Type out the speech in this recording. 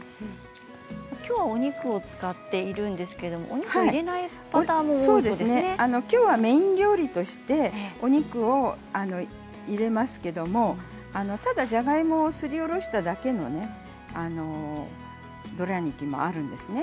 きょうはお肉を使っていますが、お肉を入れないパターンきょうはメイン料理としてお肉を入れますけれどただ、じゃがいもをすりおろしただけのねドラーニキもあるんですね。